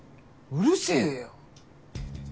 うるせぇよ。